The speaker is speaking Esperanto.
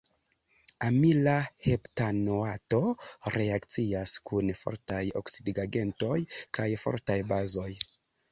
Amila heptanoato reakcias kun fortaj oksidigagentoj kaj fortaj bazoj.